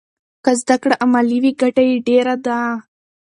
که زده کړه عملي وي ګټه یې ډېره ده.